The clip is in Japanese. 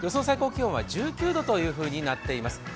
最高気温は１９度というふうになっています。